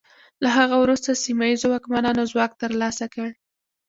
له هغه وروسته سیمه ییزو واکمنانو ځواک ترلاسه کړ.